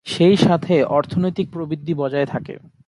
সেই সাথে অর্থনৈতিক প্রবৃদ্ধি বজায় থাকে।